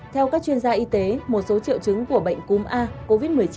theo các chuyên gia y tế một số triệu chứng của bệnh cúm a covid một mươi chín